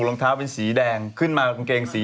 แล้วอีกที